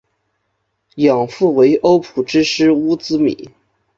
养父为欧普之狮乌兹米。